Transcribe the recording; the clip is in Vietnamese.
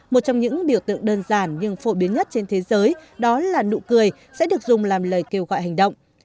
một trong những biểu tượng đơn giản nhưng phổ biến nhất trên thế giới đó là nụ cười sẽ được dùng làm lời kêu gọi hành động